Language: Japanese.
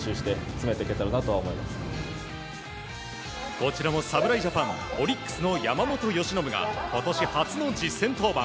こちらも侍ジャパンオリックスの山本由伸が今年初の実戦登板。